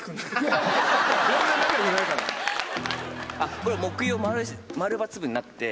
これ木曜『◎×部』になって。